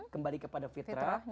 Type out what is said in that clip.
kembali kepada fitrah